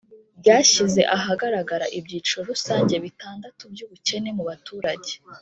ryashyize ahagaragara ibyiciro rusange bitandatu by'ubukene mu baturage.